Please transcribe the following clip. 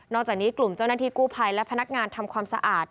จากนี้กลุ่มเจ้าหน้าที่กู้ภัยและพนักงานทำความสะอาด